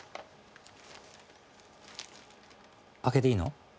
開けていいの？